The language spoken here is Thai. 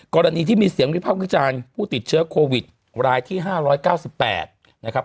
กรณีที่มีเสียงวิพากษ์วิจารณ์ผู้ติดเชื้อโควิดรายที่๕๙๘นะครับ